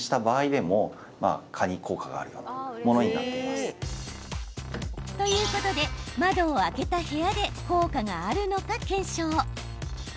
さらに。ということで、窓を開けた部屋で効果があるのか検証。